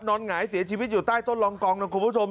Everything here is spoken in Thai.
หงายเสียชีวิตอยู่ใต้ต้นรองกองนะคุณผู้ชม